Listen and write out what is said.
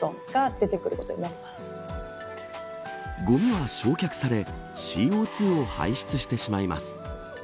ゴミは焼却されＣＯ２を排出してしまいます。